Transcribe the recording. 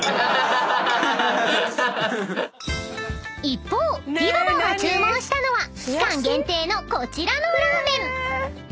［一方でぃばばが注文したのは期間限定のこちらのラーメン］